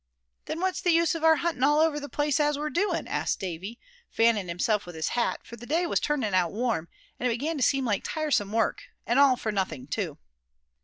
"Then what's the use of our hunting all over the place as we're doing?" asked Davy, fanning himself with his hat; for the day was turning out warm, and it began to seem like tiresome work, and all for nothing, too.